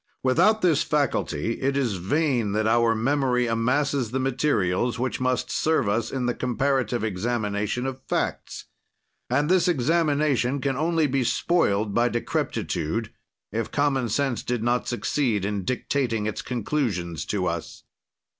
"Without this faculty, it is in vain that our memory amasses the materials, which must serve us in the comparative examination of facts. "And this examination can only be spoiled by decrepitude, if common sense did not succeed in dictating its conclusions to us.